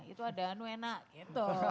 itu ada nuena gitu